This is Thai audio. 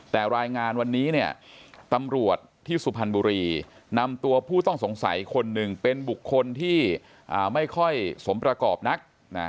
แต่รายงานวันนี้เนี่ยตำรวจที่สุพรรณบุรีนำตัวผู้ต้องสงสัยคนหนึ่งเป็นบุคคลที่ไม่ค่อยสมประกอบนัก